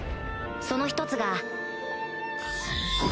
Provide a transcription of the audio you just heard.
その１つが